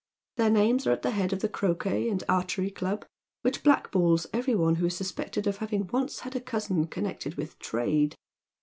Their names are at the head of the croquet and archery club, which black balls every one who is suspected of having once had a cousin connected with trade.